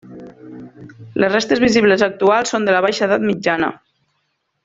Les restes visibles actuals són de la baixa edat mitjana.